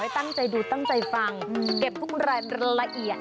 ตั้งใจดูตั้งใจฟังเก็บทุกรายละเอียด